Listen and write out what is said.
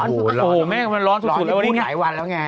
อู้โหแม่มันร้อนสุดแล้ว